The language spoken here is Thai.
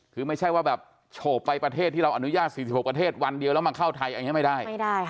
คือไม่ใช่ว่าแบบโฉบไปประเทศที่เราอนุญาต๔๖ประเทศวันเดียวแล้วมาเข้าไทยอย่างนี้ไม่ได้ค่ะ